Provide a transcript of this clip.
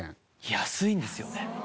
安いんですよね。